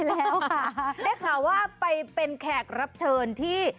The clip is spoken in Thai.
แล้วค่ะได้ข่าวว่าไปเป็นแขกรับเชิญที่